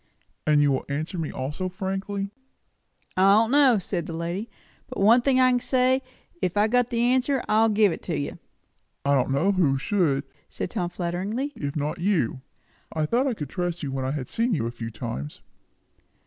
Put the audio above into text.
"And you will answer me also frankly?" "I don't know," said the lady, "but one thing I can say, if I've got the answer, I'll give it to you." "I don't know who should," said Tom flatteringly, "if not you. I thought I could trust you, when I had seen you a few times."